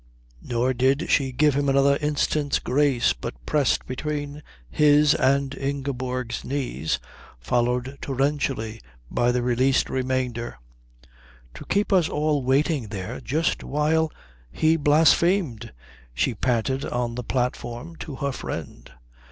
Nor did she give him another instant's grace, but pressed between his and Ingeborg's knees, followed torrentially by the released remainder. "To keep us all waiting there just while he blasphemed!" she panted on the platform to her friend.